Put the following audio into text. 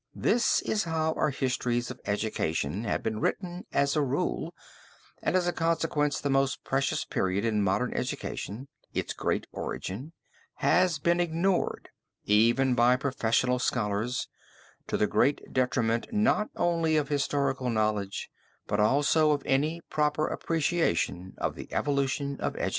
This is how our histories of education have been written as a rule, and as a consequence the most precious period in modern education, its great origin, has been ignored even by professional scholars, to the great detriment not only of historical knowledge but also of any proper appreciation of the evolution of education.